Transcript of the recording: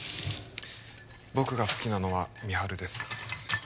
僕が好きなのは美晴です